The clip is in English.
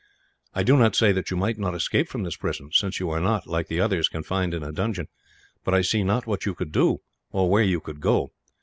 "I do not say that you might not escape from this prison since you are not, like the others, confined in a dungeon but I see not what you could do, or where you could go.